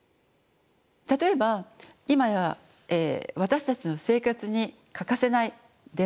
例えば今や私たちの生活に欠かせない電話です。